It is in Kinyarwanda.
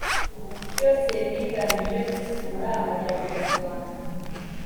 byose bigamije gutsura amajyambere mu rwanda